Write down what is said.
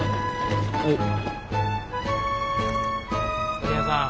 刈谷さん